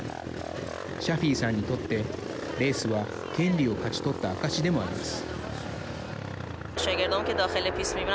シャフィイさんにとってレースは権利を勝ち取った証しでもあります。